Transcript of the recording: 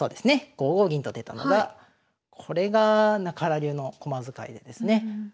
５五銀と出たのがこれが中原流の駒使いでですね。